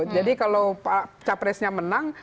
jadi kalau capresnya menang